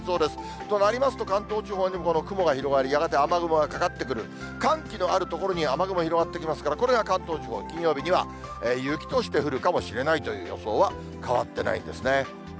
となりますと、関東地方にもこの雲が広がり、やがて雨雲がかかってくる、寒気のある所に雨雲広がってきますから、これが関東地方、金曜日には雪として降るかもしれないという予想は変わってないんですね。